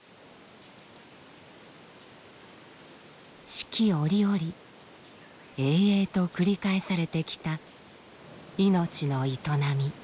四季折々営々と繰り返されてきた命の営み。